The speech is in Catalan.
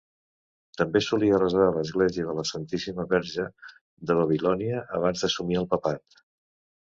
També solia resar a l'església de la Santíssima Verge de Babilònia abans d'assumir el papat.